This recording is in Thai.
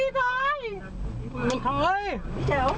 กลับมาตรวจ